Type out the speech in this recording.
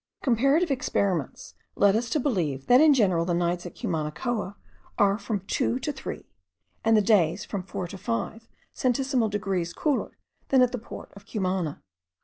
Comparative experiments led us to believe that in general the nights at Cumanacoa are from two to three, and the days from four to five centesimal degrees cooler than at the port of Cumana.